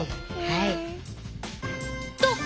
はい。